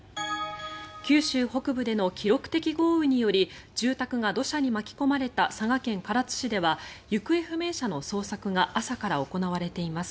九州北部での記録的豪雨により住宅が土砂に巻き込まれた佐賀県唐津市では行方不明者の捜索が朝から行われています。